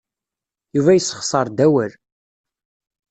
Yuba yessexṣar-d awal.